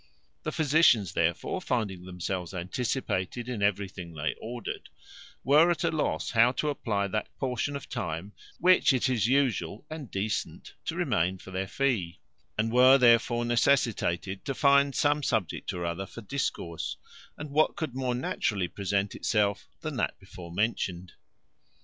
The physicians, therefore, finding themselves anticipated in everything they ordered, were at a loss how to apply that portion of time which it is usual and decent to remain for their fee, and were therefore necessitated to find some subject or other for discourse; and what could more naturally present itself than that before mentioned?